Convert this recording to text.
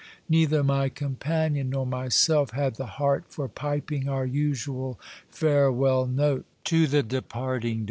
Neither my companion nor my self had the heart for piping our usual farewell note to the departing day.